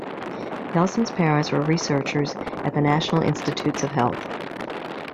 Nelson's parents were researchers at the National Institutes of Health.